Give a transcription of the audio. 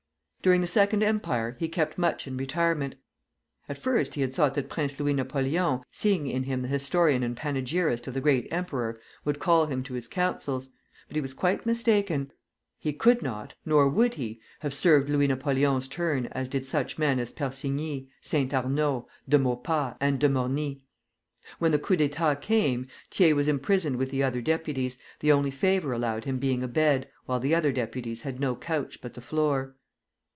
During the Second Empire he kept much in retirement. At first he had thought that Prince Louis Napoleon, seeing in him the historian and panegyrist of the Great Emperor, would call him to his councils. But he was quite mistaken. He could not nor would he have served Louis Napoleon's turn as did such men as Persigny, Saint Arnaud, De Maupas, and De Morny. When the coup d'état came, Thiers was imprisoned with the other deputies, the only favor allowed him being a bed, while the other deputies had no couch but the floor.